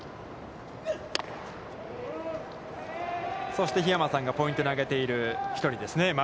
そして桧山さんがポイントに挙げている１人ですね、丸。